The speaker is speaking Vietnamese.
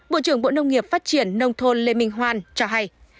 bộ trưởng bộ nông nghiệp phát triển nông thôn lê minh hoan cho hay